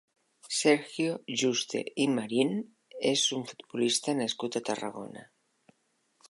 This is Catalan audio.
Sergio Juste i Marín és un futbolista nascut a Tarragona.